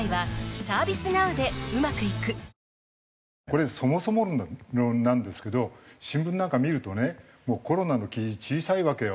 これそもそも論なんですけど新聞なんか見るとねもうコロナの記事小さいわけよ。